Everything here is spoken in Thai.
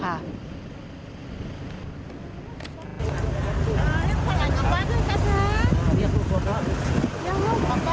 กลับมาเคยกันดีกว่า